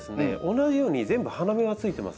同じように全部花芽がついてます。